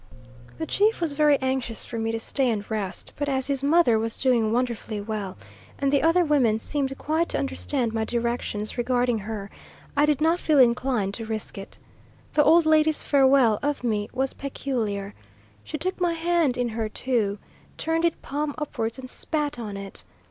The chief was very anxious for me to stay and rest, but as his mother was doing wonderfully well, and the other women seemed quite to understand my directions regarding her, I did not feel inclined to risk it. The old lady's farewell of me was peculiar: she took my hand in her two, turned it palm upwards, and spat on it.